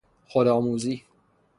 خودآموزی